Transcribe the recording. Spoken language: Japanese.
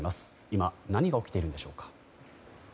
今、何が起きているんでしょうか。